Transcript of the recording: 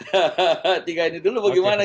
hahaha tiga ini dulu bagaimana